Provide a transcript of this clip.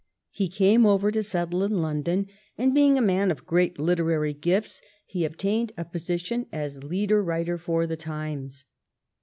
He came over to settle in London, and, being a man of great literary gifts, he obtained a position as leader writer for the "Times."